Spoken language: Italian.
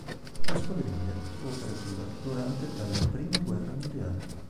La squadriglia, fu operativa durante dalla prima guerra mondiale.